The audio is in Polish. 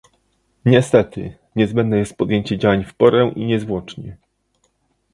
Niestety, niezbędne jest podjęcie działań w porę i niezwłocznie